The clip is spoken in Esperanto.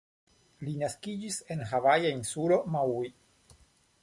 Li naskiĝis en havaja insulo Maui.